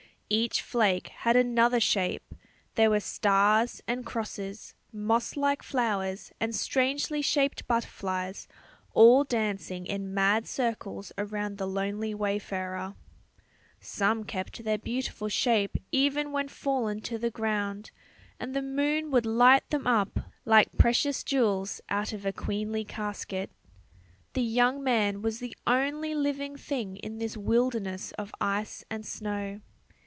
Each flake had another shape; there were stars and crosses, moss like flowers and strangely shaped butterflies, all dancing in mad circles around the lonely wayfarer. Some kept their beautiful shape even when fallen to the ground, and the moon would light them up like precious jewels out of a queenly casket. The young man was the only living thing in this wilderness of ice and snow.